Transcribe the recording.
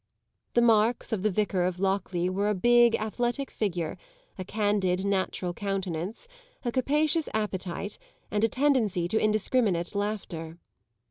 The marks of the Vicar of Lockleigh were a big, athletic figure, a candid, natural countenance, a capacious appetite and a tendency to indiscriminate laughter.